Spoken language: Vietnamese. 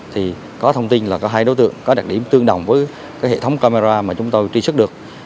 thì có thông tin là có hai đối tượng có đặc điểm tương đồng với hệ thống camera mà chúng tôi truy xuất được